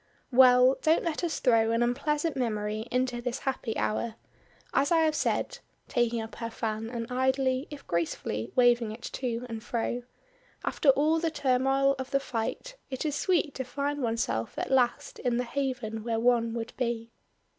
"Well, don't let us throw an unpleasant memory into this happy hour. As I have said," taking up her fan and idly, if gracefully, waving it to and fro, "after all the turmoil of the fight it is sweet to find oneself at last in the haven where one would be."